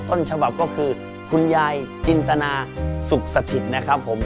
ต้นฉบับก็คือคุณยายจินตนาสุขสถิตนะครับผม